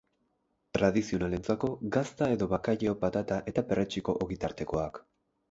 Tradizionalentzako, gazta edo bakailao patata eta perretxiko ogitartekoak.